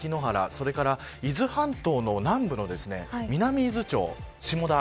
それから伊豆半島の南部の南伊豆町、下田